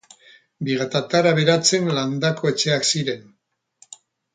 Vigatatar aberatsen landako etxeak ziren.